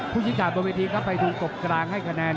ผู้ชิดขาดบนเวทีเข้าไปถูกกบกรางให้คะแนน